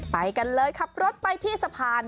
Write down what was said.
ไปกันเลยขับรถไปที่สะพาน